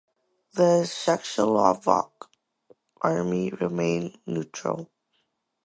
The Czechoslovak Army remained neutral.